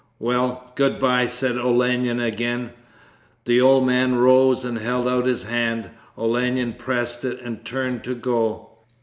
'Well, good bye,' said Olenin again. The old man rose and held out his hand. Olenin pressed it and turned to go.